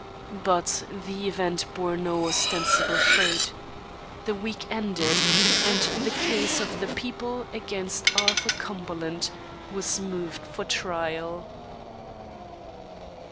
But the event bore no ostensible fruit. The week ended, and the case of the People against Arthur Cumberland was moved for trial.